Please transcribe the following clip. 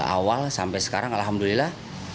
awal sampai sekarang alhamdulillah